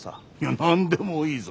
何でもいいぞ！